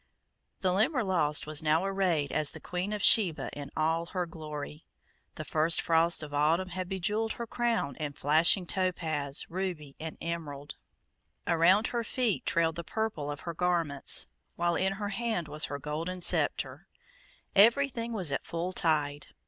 The Limberlost was now arrayed as the Queen of Sheba in all her glory. The first frosts of autumn had bejewelled her crown in flashing topaz, ruby, and emerald. Around her feet trailed the purple of her garments, while in her hand was her golden scepter. Everything was at full tide.